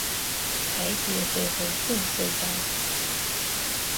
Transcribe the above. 台鐵北迴線隧道